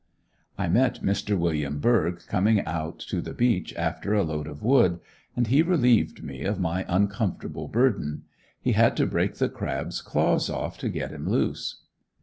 I met Mr. William Berge coming out to the beach after a load of wood, and he relieved me of my uncomfortable burden. He had to break the crabs claws off to get him loose.